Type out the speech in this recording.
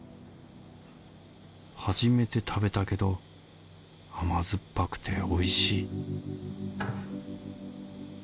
初めて食べたけど甘酸っぱくておいしい